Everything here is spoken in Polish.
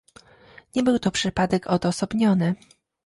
Nie był to przypadek odosobniony